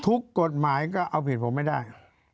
ทุกกฎหมายก็เอาผิดผมไม่ได้